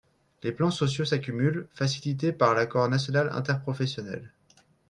Les plans sociaux s’accumulent, facilités par l’accord national interprofessionnel.